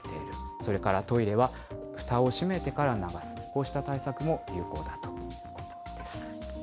それからトイレはふたを閉めてから流す、こうした対策も有効だということなんです。